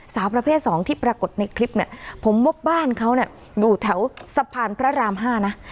สาวประเภทสองที่ปรากฏในคลิปเนี้ยผมบอกบ้านเขาเนี้ยดูแถวสะพานพระรามห้านะ